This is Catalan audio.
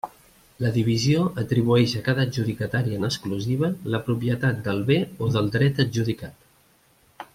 La divisió atribueix a cada adjudicatari en exclusiva la propietat del bé o del dret adjudicat.